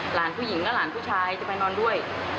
หลานผู้หญิงก็หลานผู้ชายจะไปนอนด้วย